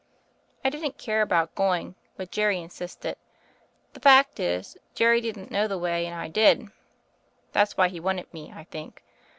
I didn't care about go ing, but Jerry insisted. The fact is, Jerry didn't know the way, and I did. That's why he wanted me, I think.